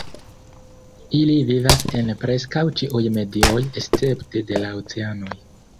Ili vivas en preskaŭ ĉiuj medioj, escepte de la oceanoj.